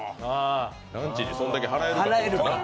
ランチにそれだけ払えるかという。